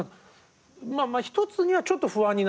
まあ一つにはちょっと不安になってた。